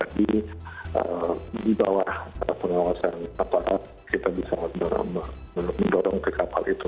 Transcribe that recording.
di bawah pengawasan kapal kita bisa mendorong ke kapal itu